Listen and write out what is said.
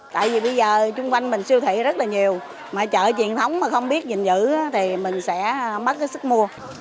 tại vì bây giờ chung quanh mình siêu thị rất là nhiều mà chợ truyền thống mà không biết nhìn giữ thì mình sẽ mất cái sức mua